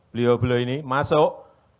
beliau beliau ini masuk